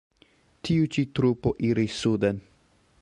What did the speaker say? Tiu ĉi trupo iris suden.